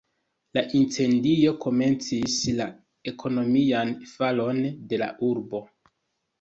La incendio komencis la ekonomian falon de la urbo.